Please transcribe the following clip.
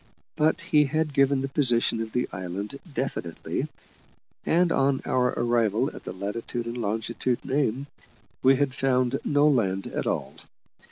But he had given the position of the island definitely, and, on our arrival at the latitude and longitude named, we had found no land at all.